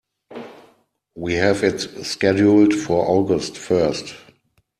We have it scheduled for August first.